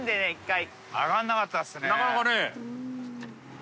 １回。